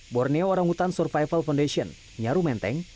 borneo orang hutan survival foundation nyaru menteng